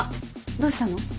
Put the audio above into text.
どうしたの？